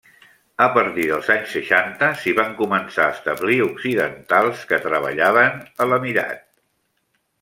A partir dels anys seixanta s'hi van començar a establir occidentals que treballaven a l'emirat.